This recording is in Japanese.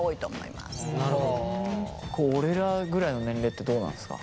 俺らぐらいの年齢ってどうなんですか？